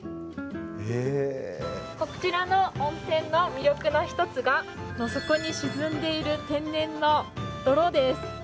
こちらの温泉の魅力の１つが底に沈んでいる天然の泥です。